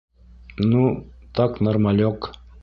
Ну, так нормалёк.